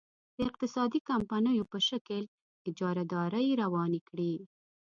د اقتصادي کمپنیو په شکل اجارادارۍ روانې کړي.